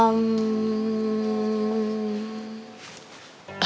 oh ini dia